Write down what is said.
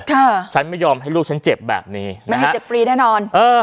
ฉันไม่ยอมให้ลูกฉันเจ็บแบบนี้นะฮะเจ็บฟรีแน่นอนเออ